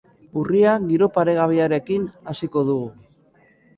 Urria giro paregabearekin hasiko dugu.